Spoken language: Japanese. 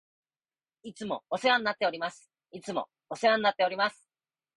いつもお世話になっております。いつもお世話になっております。